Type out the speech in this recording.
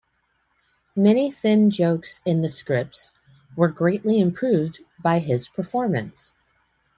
Many thin jokes in the scripts were greatly improved by his performance.